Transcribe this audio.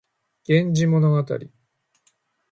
源氏物語